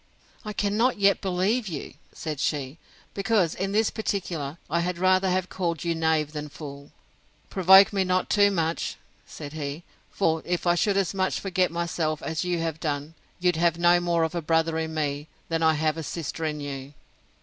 I cannot yet believe you, said she; because, in this particular, I had rather have called you knave than fool.—Provoke me not too much, said he; for, if I should as much forget myself as you have done, you'd have no more of a brother in me, than I have a sister in you.